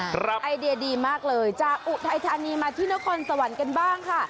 ไอเดียดีมากเลยจากอุทัยธานีมาที่นครสวรรค์กันบ้างค่ะ